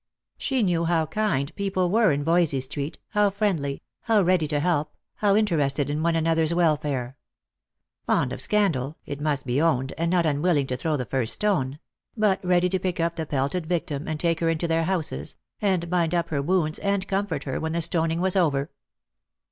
She knew how kind people were in Voysey street, how friendly, how ready to help, how interested in one another's welfare. Fond of scandal, it must be owned, and not unwilling to throw the first stone ; but ready to pick up the pelted victim, and take her into their houses, and bind up her wounds and comfort her, when the stoning was over.